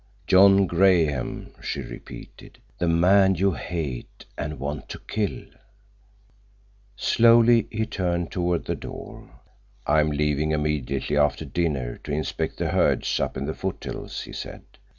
"John Graham," she repeated. "The man you hate and want to kill." Slowly he turned toward the door. "I am leaving immediately after dinner to inspect the herds up in the foothills," he said.